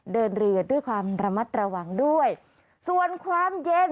เดินเรือด้วยความระมัดระวังด้วยส่วนความเย็น